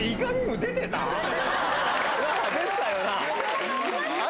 出てたよな？